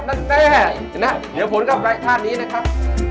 แม่เนี่ยผมก็ไปท่าที่นี่นะครับ